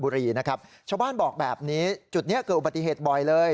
นะครับชาวบ้านบอกแบบนี้จุดนี้เกิดอุบัติเหตุบ่อยเลย